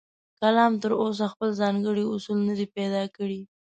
کالم تراوسه خپل ځانګړي اصول نه دي پیدا کړي.